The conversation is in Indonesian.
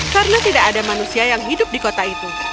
karena tidak ada manusia yang hidup di kota itu